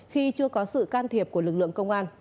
khi chưa có sự can thiệp của lực lượng